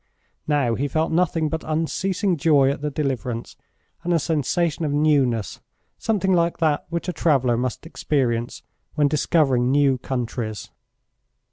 Now he felt nothing but unceasing joy at the deliverance, and a sensation of newness something like that which a traveller must experience when discovering new countries.